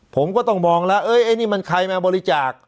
ผมก็ต้องมองแล้วไอ้นี่มันใครมาบริจาค